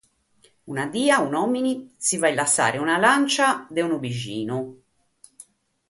Una die un’òmine s’imprestat una lantza dae unu bighinu.